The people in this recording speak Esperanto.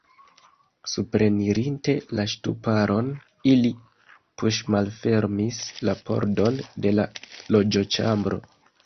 Suprenirinte la ŝtuparon, ili puŝmalfermis la pordon de la loĝoĉambro.